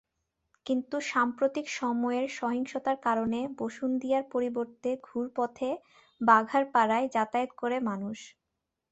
কিন্তু সাম্প্রতিক সময়ের সহিংসতার কারণে বসুন্দিয়ার পরিবর্তে ঘুরপথে বাঘারপাড়ায় যাতায়াত করে মানুষ।